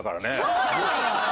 そうなのよ！